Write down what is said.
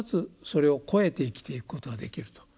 それを超えて生きていくことができると。